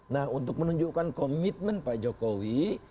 nah untuk menunjukkan komitmen pak jokowi